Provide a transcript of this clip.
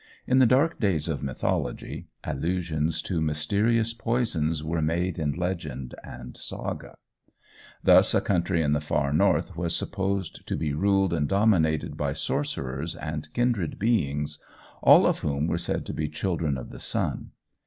In the dark days of mythology, allusions to mysterious poisons were made in legend and saga. Thus a country in the Far North was supposed to be ruled and dominated by sorcerers and kindred beings, all of whom were said to be children of the Sun.